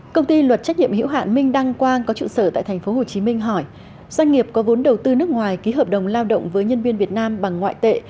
công ty luật trách nhiệm hữu hạn minh đăng quang có trụ sở tại tp hcm hỏi doanh nghiệp có vốn đầu tư nước ngoài ký hợp đồng lao động với nhân viên việt nam bằng ngoại tệ